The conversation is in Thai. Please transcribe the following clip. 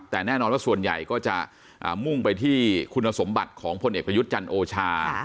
แต่แน่นอนว่าส่วนใหญ่ก็จะมุ่งไปที่คุณสมบัติของพลเอกประยุทธ์จันทร์โอชา